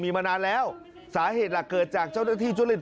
มีมานานแล้วสาเหตุหลักเกิดจากเจ้าหน้าที่ทุจริต